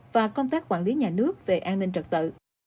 và công tác quản lý nhà nước về an ninh trật tự